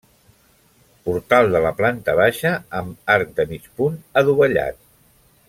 Portal de la planta baixa amb arc de mig punt adovellat.